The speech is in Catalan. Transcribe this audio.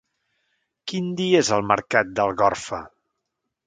Quin dia és el mercat d'Algorfa?